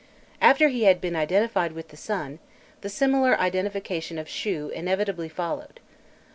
After he had been identified with the sun, the similar identification of Shû inevitably followed.